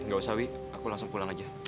gak usah week aku langsung pulang aja